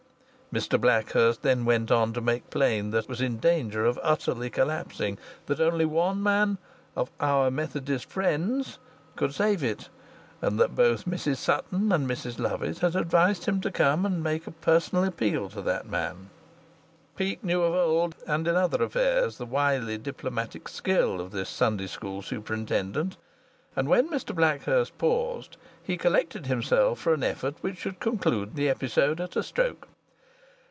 Mr Blackhurst then went on to make plain that it was in danger of utterly collapsing, that only one man of "our Methodist friends" could save it, and that both Mrs Sutton and Mrs Lovatt had advised him to come and make a personal appeal to that man. Peake knew of old, and in other affairs, the wily diplomatic skill of this Sunday School superintendent, and when Mr Blackhurst paused he collected himself for an effort which should conclude the episode at a stroke.